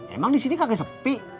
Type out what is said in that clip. emang di sini kagak sepi